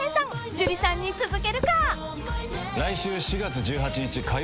樹さんに続けるか？］